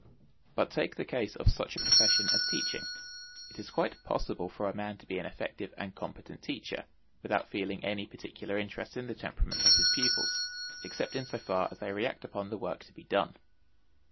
But take the case of such a profession as teaching; it is quite possible for a man to be an effective and competent teacher, without feeling any particular interest in the temperaments of his pupils, except in so far as they react upon the work to be done.